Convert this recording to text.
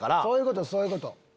そういうことそういうこと。